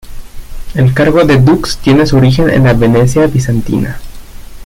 El cargo de dux tiene su origen en la Venecia bizantina.